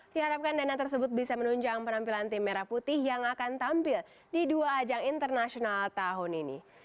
diharapkan dana tersebut bisa menunjang penampilan tim merah putih yang akan tampil di dua ajang internasional tahun ini